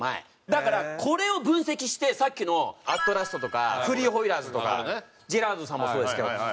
だからこれを分析してさっきのアットラストとかフリーホイーラーズとかジェラードさんもそうですけど。